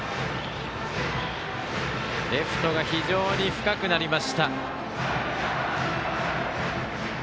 レフトが非常に深くなりました。